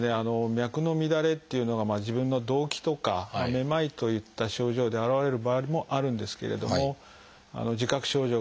脈の乱れっていうのが自分の動悸とかめまいといった症状で現れる場合もあるんですけれども自覚症状がないことも少なくありません。